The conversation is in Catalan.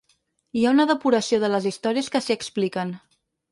Hi ha una depuració de les històries que s’hi expliquen.